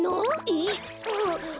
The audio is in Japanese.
えっ？あっ！